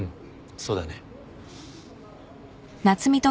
そうだね。